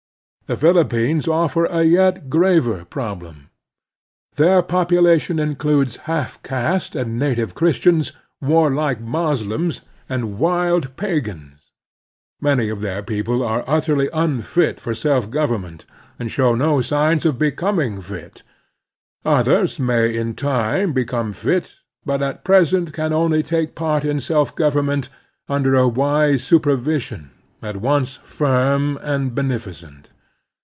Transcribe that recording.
The Philippines offer a yet graver problem. Their population includes half caste and native Chris tians, warlike Moslems, and wild pagans. Many of their people are utterly unfit for self govern ment and show no signs of becoming fit. Others may in time become fit but at present can only take part in self government under a wise super vision, at once firm and beneficent.